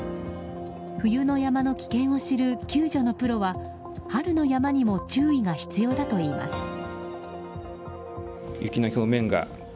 冬の山の危険を知る救助のプロは春の山にも注意が必要だと言います。